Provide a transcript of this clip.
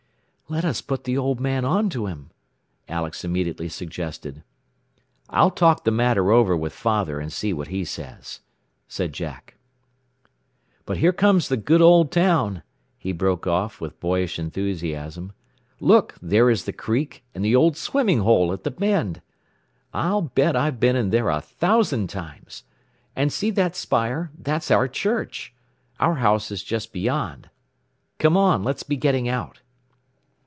"Let us put the old man onto him," Alex immediately suggested. "I'll talk the matter over with Father, and see what he says," said Jack. "But here comes the good old town," he broke off with boyish enthusiasm. "Look, there is the creek, and the old swimming hole at the bend. I'll bet I've been in there a thousand times. And see that spire that's our church. Our house is just beyond. "Come on, let's be getting out."